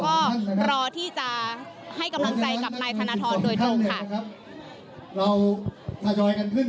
ก็รอที่จะให้กำลังใจกับนายธนทรโดยถูกค่ะ